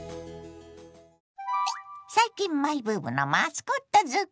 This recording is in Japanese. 最近マイブームのマスコットづくり。